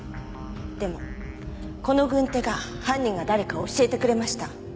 でもこの軍手が犯人が誰かを教えてくれました。